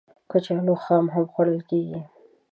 کچالو خام هم خوړل کېږي